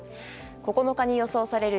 ９日に予想される